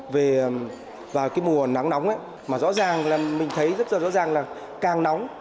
về vào cái mùa nắng nóng ấy mà rõ ràng là mình thấy rất rõ ràng là càng nóng